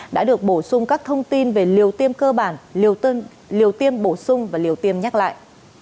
đã được bổ sung các thông tin về liều tiêm cơ bản liều tiêm bổ sung và liều tiêm nhắc lại